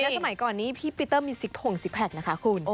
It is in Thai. และสมัยก่อนนี้พี่พีเตอร์มีสิกถ่วงสิกแผลกนะคะคุณ